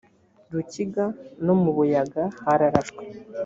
rukiga no mu buyaga hararashwe